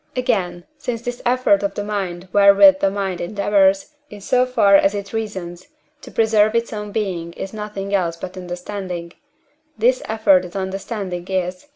Again, since this effort of the mind wherewith the mind endeavours, in so far as it reasons, to preserve its own being is nothing else but understanding; this effort at understanding is (IV.